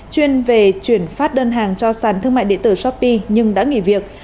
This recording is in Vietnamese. chuyên về chuyển phát đơn hàng cho sản thương mại điện tử shopee nhưng đã nghỉ việc